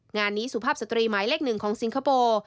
งานนี้สุภาพสตรีหมายเลข๑ของสิงคโปร์